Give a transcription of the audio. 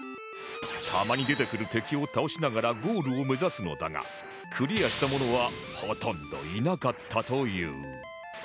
たまに出てくる敵を倒しながらゴールを目指すのだがクリアした者はほとんどいなかったという